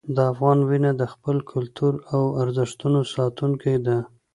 د افغان وینه د خپل کلتور او ارزښتونو ساتونکې ده.